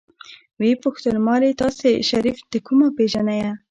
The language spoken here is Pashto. ويې پوښتل مالې تاسې شريف د کومه پېژنئ.